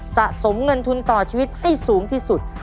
สะสมเงินทุนต่อชีวิตให้สูงที่สุด